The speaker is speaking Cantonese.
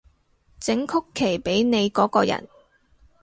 整曲奇畀你嗰個人